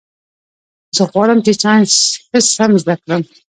زه غواړم چي ساینس ښه سم زده کړم.